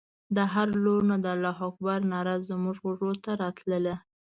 د هرې لور نه د الله اکبر ناره زموږ غوږو ته راتلله.